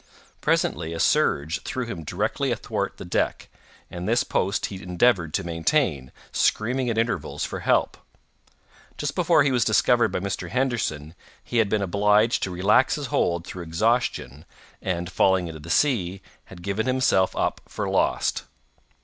Presently a surge threw him directly athwart the deck, and this post he endeavored to maintain, screaming at intervals for help. Just before he was discovered by Mr. Henderson, he had been obliged to relax his hold through exhaustion, and, falling into the sea, had given himself up for lost.